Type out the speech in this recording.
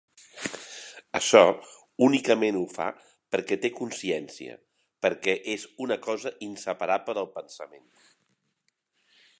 Açò únicament ho fa perquè té consciència, perquè és una cosa inseparable del pensament.